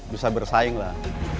bisa bersaing lah